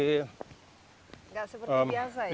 nggak seperti biasa ya